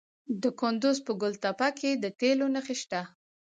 د کندز په ګل تپه کې د تیلو نښې شته.